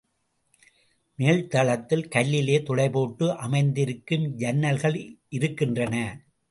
மேல் தளத்திலே கல்லிலே துளை போட்டு அமைந்திருக்கும் ஜன்னல்கள் இருக்கின்றன.